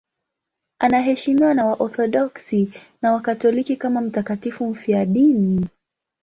Anaheshimiwa na Waorthodoksi na Wakatoliki kama mtakatifu mfiadini.